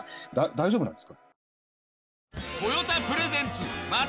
大丈夫なんですか？